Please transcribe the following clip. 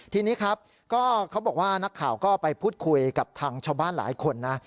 ทีนี้ครับก็เขาบอกว่านักข่าวก็ไปพูดคุยกับทางชาวบ้านหลายคนนะ